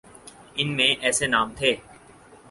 ان میں ایسے نام تھے۔